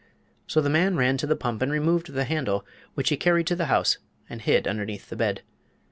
So the man ran to the pump and removed the handle, which he carried to the house and hid underneath the bed.